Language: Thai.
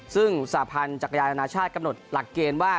ซึ่งสาพันธ์จักรยานนานาชาติกำหนดหลักเกณฑ์ว่า